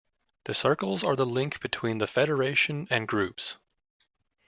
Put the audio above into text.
The circles are the link between the Federation and groups.